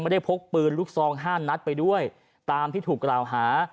ได้พกปืนลูกซองห้านัดไปด้วยตามที่ถูกกล่าวหา